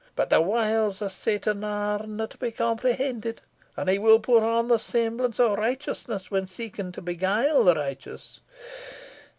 But the wiles o' Satan arena to be comprehended, and he will put on the semblance of righteousness when seeking to beguile the righteous.